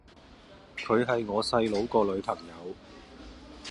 佢係我細佬個女朋友